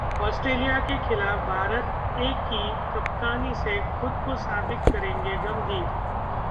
Australia के खिलाफ Bharat A की कप्तानी से खुद को साबित करेंगे गंभीर